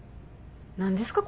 何ですか？